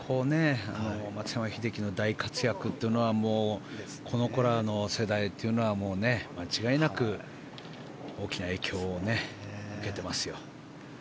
松山英樹の大活躍というのはこの子らの世代は間違いなく大きな影響を受けていますよ。